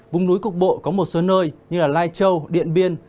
vùng núi cục bộ có một số nơi như lai châu điện biên